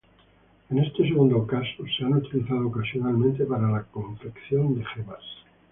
En este segundo caso, se ha utilizado ocasionalmente para la confección de gemas.